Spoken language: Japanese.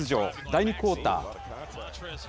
第２クオーター。